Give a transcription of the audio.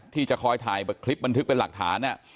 ที่จะคอยถ่ายคลิปบันทึกเป็นหลักฐาน